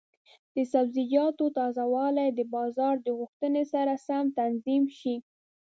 د سبزیجاتو تازه والی د بازار د غوښتنې سره سم تنظیم شي.